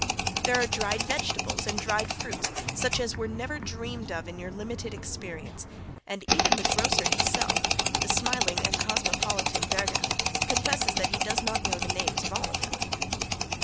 There are dried vegetables and dried fruits such as were never dreamed of in your limited experience, and even the grocer himself, the smiling and cosmopolitan Verga, confesses that he does not know the names of all of them.